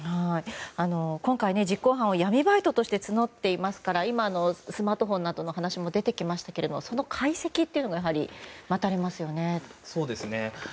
今回、実行犯を闇バイトとして募っていますからスマートフォンの話なども出てきましたがその解析が待たれますよね。